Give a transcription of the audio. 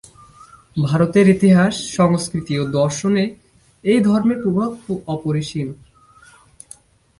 ভারতের ইতিহাস, সংস্কৃতি ও দর্শনে এই ধর্মের প্রভাব অপরিসীম।